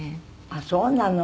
あっそうなの。